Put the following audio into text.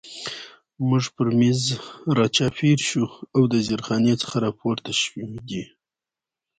موږ پر مېز را چاپېر شو او د زیرخانې څخه را پورته شوي.